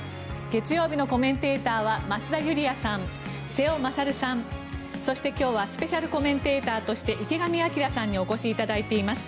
月曜日のコメンテーターは増田ユリヤさん、瀬尾傑さんそして今日はスペシャルコメンテーターとして池上彰さんにお越しいただいています。